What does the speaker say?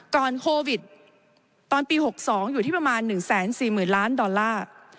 โควิดตอนปี๖๒อยู่ที่ประมาณ๑๔๐๐๐ล้านดอลลาร์